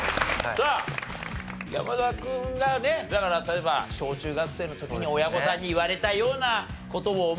さあ山田君がねだから例えば小・中学生の時に親御さんに言われたような事を思い出して。